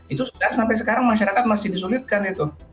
itu sebenarnya sampai sekarang masyarakat masih disulitkan itu